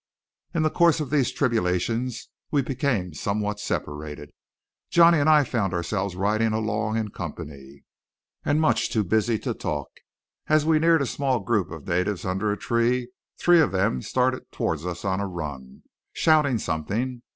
In the course of these tribulations we became somewhat separated. Johnny and I found ourselves riding along in company, and much too busy to talk. As we neared a small group of natives under a tree, three of them started toward us on a run, shouting something.